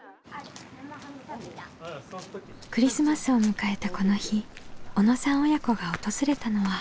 クリスマスを迎えたこの日小野さん親子が訪れたのは。